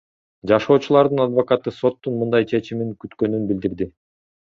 Жашоочулардын адвокаты соттун мындай чечимин күткөнүн билдирди.